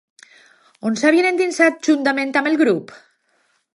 On s'havien endinsat juntament amb el grup?